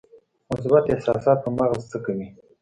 مثبت احساسات په مغز څه کوي؟